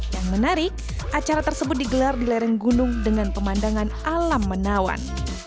yang menarik acara tersebut digelar di lereng gunung dengan pemandangan alam menawan